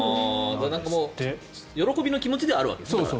喜びの気持ちではあるわけですね。